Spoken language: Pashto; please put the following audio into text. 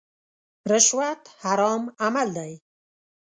رشوت حرام عمل دی.